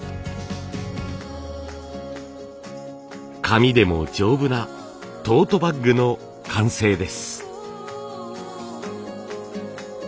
紙でも丈夫なトートバッグの完成です。